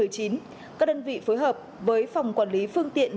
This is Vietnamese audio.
các đơn vị phối hợp với phòng quản lý phương tiện